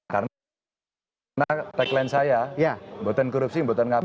karena tagline saya boten korupsi boten ngapain